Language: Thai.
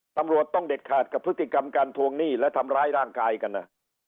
ตำรวจต้องเด็ดขาดกับพฤติกรรมการทวงหนี้และทำร้ายร่างกายกันนะ